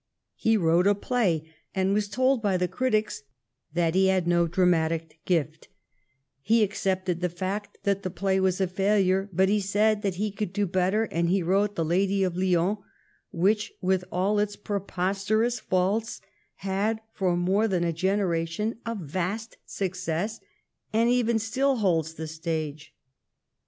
He wrote a play, and was told by the critics that he had no dramatic gift He accepted the fact that the play was a failure, but he said that he could do better, and he wrote the " Lady of Lyons," which, with all its preposter ous faults, had for more than a generation a vast success, and even still holds the stage.